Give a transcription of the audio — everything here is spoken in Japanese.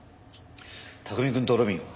拓海くんと路敏は？